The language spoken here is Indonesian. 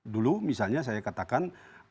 dulu misalnya saya katakan